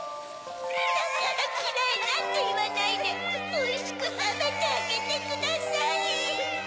だからきらいなんていわないでおいしくたべてあげてください。